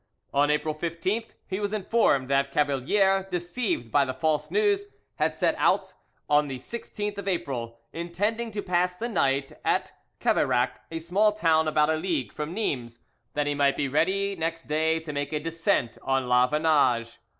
On April 15th he was informed that Cavalier, deceived by the false news, had set out on the 16th April, intending to pass the night at Caveyrac, a small town about a league from Nimes, that he might be ready next day to make a descent on La Vannage.